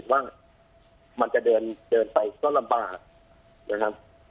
สามส่วนก็คิดว่ามันจะเดินไปก็ลำบากนะครับ